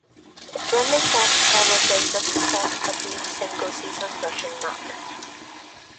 Running back Terrell Davis set a team single season rushing mark.